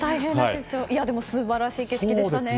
でも素晴らしい景色でしたね。